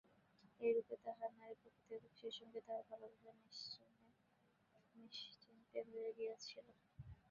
এইরূপে তাহার নারীপ্রকৃতি এবং সেইসঙ্গে তাহার ভালোবাসা নিশ্চেষ্ট হইয়া গিয়াছিল।